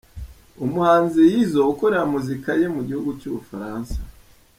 Umuhanzi Izzo ukorera muzika ye mu gihugu cy'Ubufaransa.